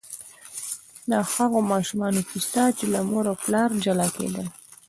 د هغو ماشومانو کیسه چې له مور او پلار جلا کېدل.